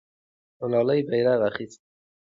ملالۍ بیرغ اخیسته.